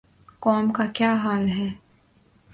قوم کا کیا حال ہے۔